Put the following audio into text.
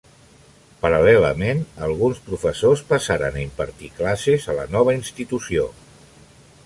Paral·lelament, alguns professors passaren a impartir classes a la nova institució.